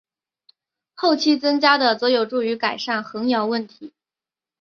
后期增加的则有助于改善横摇问题。